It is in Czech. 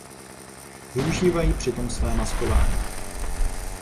Využívají při tom své maskování.